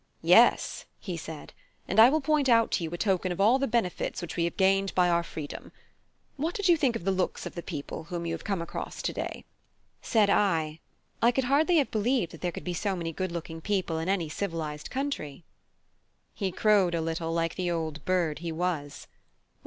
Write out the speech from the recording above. "Yes," he said, "and I will point out to you a token of all the benefits which we have gained by our freedom. What did you think of the looks of the people whom you have come across to day?" Said I: "I could hardly have believed that there could be so many good looking people in any civilised country." He crowed a little, like the old bird he was.